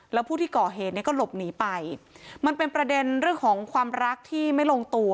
แล้วผู้ที่ก่อเหตุเนี่ยก็หลบหนีไปมันเป็นประเด็นเรื่องของความรักที่ไม่ลงตัว